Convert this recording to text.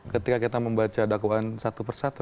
ketika kita membaca dakwaan satu persatu